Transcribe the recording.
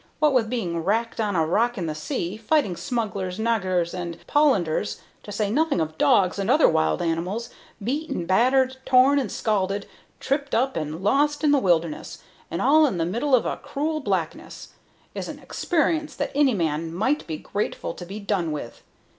What with being wracked on a rock in the sea, fighting smugglers, nagurs, and Polanders to say nothing of dogs and other wild animals beat and battered, torn and scalded, tripped up and lost in the wilderness, and all in the middle of a cruel blackness, is an experience that any man might be grateful to be done with.